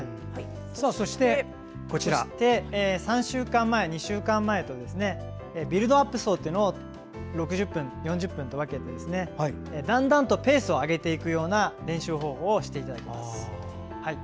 そして３週間前、２週間前とビルドアップ走というものを６０分、４０分と分けてだんだんとペースを上げていく練習方法をしていただきます。